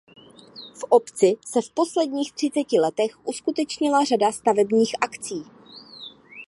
V obci se v posledních třiceti letech uskutečnila řada stavebních akcí.